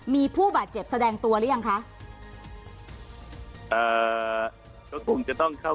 มีผู้บาดเจ็บแสดงตัวหรือยังคะอ่าก็คงจะต้องเข้า